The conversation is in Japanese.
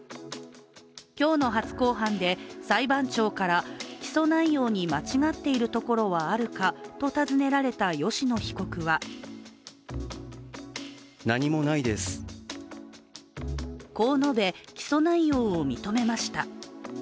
今日の初公判で裁判長から起訴内容に間違っているところはあるかと訪ねられた吉野被告はこう述べ、起訴内容を認めました。